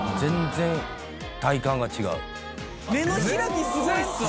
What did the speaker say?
目の開きすごいっすわ。